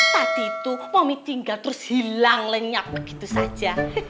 tadi tuh momi tinggal terus hilang lenyap begitu saja